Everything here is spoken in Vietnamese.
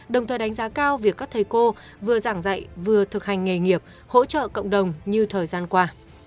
đồng thời đánh giá cao việc các thầy cô vừa giảng dạy vừa thực hành nghề nghiệp hỗ trợ cộng đồng như thời gian qua